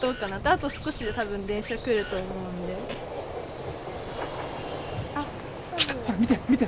あと少しで多分電車来ると思うんで。来た！